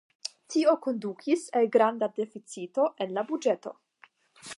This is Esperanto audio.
Tio kondukis al granda deficito en la buĝeto.